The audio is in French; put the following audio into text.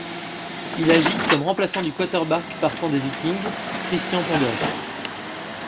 Il agit comme remplaçant du quarterback partant des Vikings, Christian Ponder.